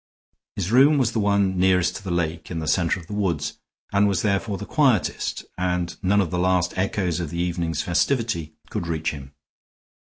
His room was the one nearest to the lake in the center of the woods, and was therefore the quietest, and none of the last echoes of the evening's festivity could reach him.